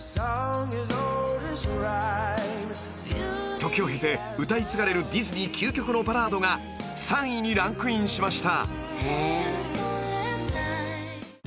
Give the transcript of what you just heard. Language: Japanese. ［時を経て歌い継がれるディズニー究極のバラードが３位にランクインしました］